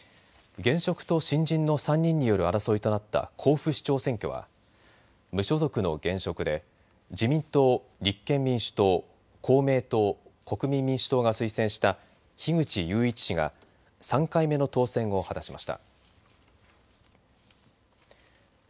現職と新人の３人による争いとなった甲府市長選挙は無所属の現職で自民党、立憲民主党公明党、国民民主党が推薦した樋口雄一氏が３回目の当選を果たしました。